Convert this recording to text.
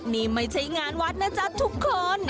นี่ไม่ใช่งานวัดนะจ๊ะทุกคน